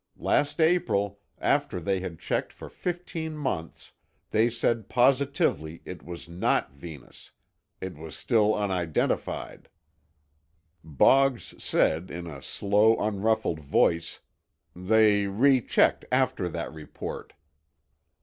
Last April, after they had checked for fifteen months, they said positively it was not Venus. It was still unidentified." Boggs said, in a slow, unruffled voice, "They rechecked after that report."